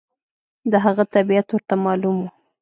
د هغه طبیعت ورته معلوم و.